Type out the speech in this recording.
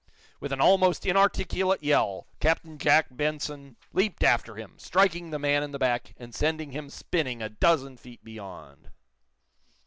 With an almost inarticulate yell Captain Jack Benson leaped after him, striking the man in the back and sending him spinning a dozen feet beyond.